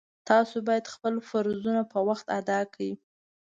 تاسو باید خپل فرضونه په وخت ادا کړئ